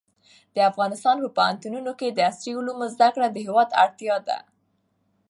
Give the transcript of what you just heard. د افغانستان په پوهنتونونو کې د عصري علومو زده کړه د هېواد اړتیا ده.